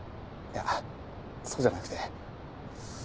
いやそうじゃなくて。